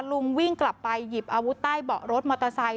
ลุงวิ่งกลับไปหยิบอาวุธใต้เบาะรถมอเตอร์ไซค